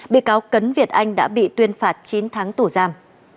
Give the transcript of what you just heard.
bị cáo cấn việt anh đã bị tuyên phạt chín tháng tù giam